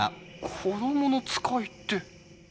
子供の使いって。